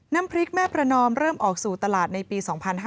น้ำพริกแม่ประนอมเริ่มออกสู่ตลาดในปี๒๕๕๙